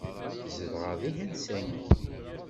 Zedɣeɣ deg Helsinki.